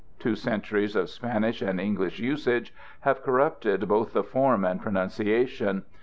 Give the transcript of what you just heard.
Two centuries of Spanish and English usage have corrupted both the form and pronunciation.